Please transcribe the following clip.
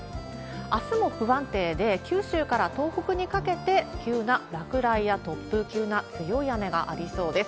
あすも不安定で、九州から東北にかけて、急な落雷や突風、急な強い雨がありそうです。